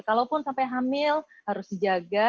kalaupun sampai hamil harus dijaga